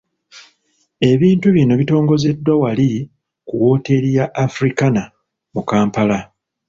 Ebitabo bino bitongozeddwa wali ku wooteeri ya Africana mu Kampala.